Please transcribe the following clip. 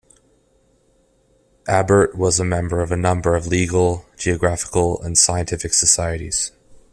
Abert was a member of a number of legal, geographical and scientific societies.